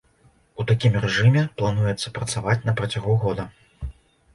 У такім рэжыме плануецца працаваць на працягу года.